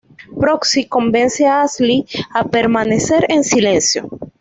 Proxy convence a Ashley a permanecer en silencio.